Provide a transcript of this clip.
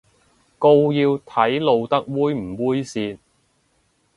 告要睇露得猥唔猥褻